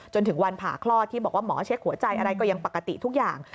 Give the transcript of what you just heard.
จนถึงวันผ่าคลอดที่บอกว่าหมอเช็คหัวใจอะไรก็ยังปกติทุกอย่าง